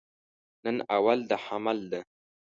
نن اول د حمل ده